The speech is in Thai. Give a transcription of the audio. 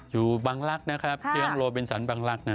อยู่บังลักษณ์นะครับเลี้ยงโลเบนสันบังลักษณ์นะ